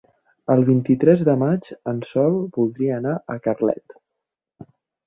El vint-i-tres de maig en Sol voldria anar a Carlet.